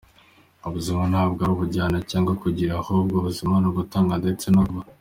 Ubuzima ntabwo ari ukujyana cyangwa kugira, ahubwo ubuzima ni ugutanga ndetse no kuba.